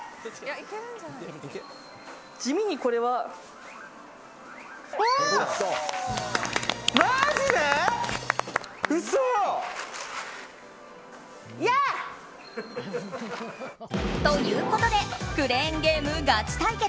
地味にこれは。やー！ということでクレーンゲームガチ対決